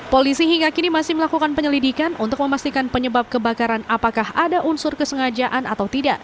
polisi hingga kini masih melakukan penyelidikan untuk memastikan penyebab kebakaran apakah ada unsur kesengajaan atau tidak